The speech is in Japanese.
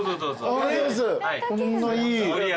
ありがとうございます。